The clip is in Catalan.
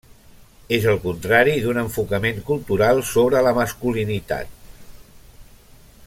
És el contrari d'un enfocament cultural sobre la masculinitat.